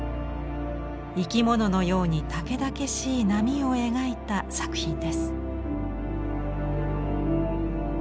生き物のようにたけだけしい波を描いた作品です。